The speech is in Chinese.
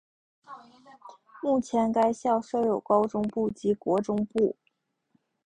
目前该校设有高中部及国中部。